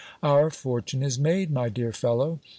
Our fortune is made, my dear fellow.